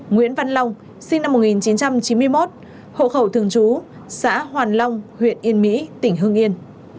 nguyễn văn long sinh năm một nghìn chín trăm chín mươi một hộ khẩu thường trú xã hoàn long huyện yên mỹ tỉnh hương yên